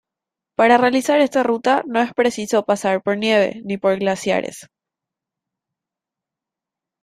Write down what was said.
Para realizar esta ruta no es preciso pasar por nieve ni por glaciares.